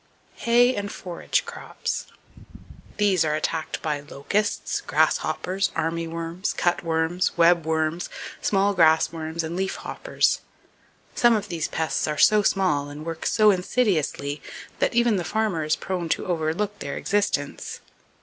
Hay And Forage Crops. —These are attacked by locusts, grasshoppers, army worms, cut worms, web worms, small grass worms and leaf hoppers. Some of these pests are so small and work so insidiously that even the farmer is prone to overlook their existence.